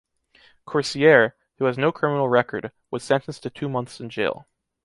Coursier, who has no criminal record, was sentenced to two months in jail.